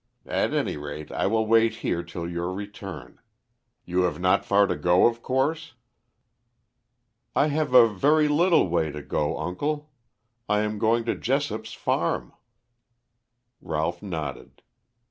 "At any rate I will wait here till your return. You have not far to go, of course?" "I have a very little way to go, uncle. I am going to Jessop's farm." Ralph nodded.